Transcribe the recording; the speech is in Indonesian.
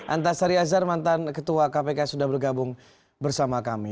antasari azhar mantan ketua kpk sudah bergabung bersama kami